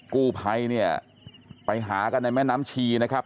กู้ไพไปหากันในแม่น้ำชีนะครับ